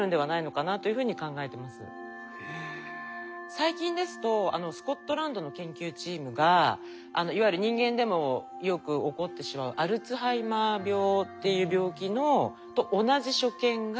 最近ですとスコットランドの研究チームがいわゆる人間でもよく起こってしまうアルツハイマー病っていう病気と同じ所見がイルカの脳から発見されたっていう研究成果を出しまして。